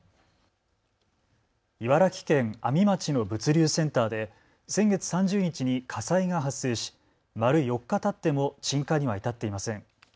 茨城県阿見町の物流センターで先月３０日に火災が発生し丸４日たっても鎮火には至っていません。